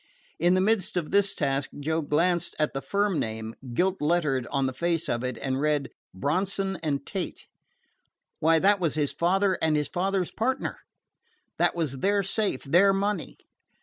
In the midst of this task Joe glanced at the firm name, gilt lettered on the face of it, and read: "Bronson & Tate." Why, that was his father and his father's partner. That was their safe, their money!